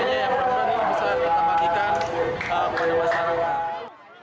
yang berkaryasi bisa kita bagikan kepada masyarakat